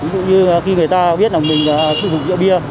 ví dụ như khi người ta biết là mình sử dụng triệu bia